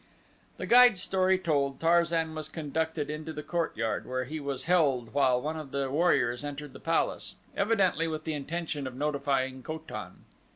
The guide's story told, Tarzan was conducted into the courtyard where he was held while one of the warriors entered the palace, evidently with the intention of notifying Ko tan.